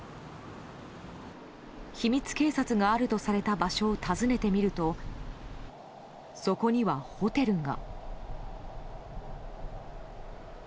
秘密警察があるとされた場所を訪ねてみると、そこにはホテルが。